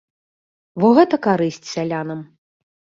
Во гэта карысць сялянам!